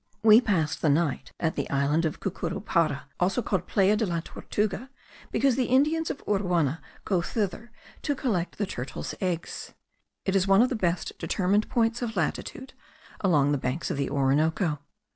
We passed the night at the island of Cucuruparu, called also Playa de la Tortuga, because the Indians of Uruana go thither to collect the turtles' eggs. It is one of the best determined points of latitude along the banks of the Orinoco.